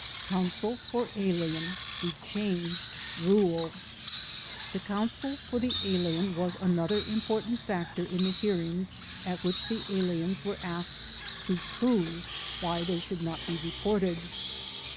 Counsel for Alien: The Changed Rule The counsel for the alien was another important fac tor in the hearings at which the aliens were asked to prove why they should not be deported.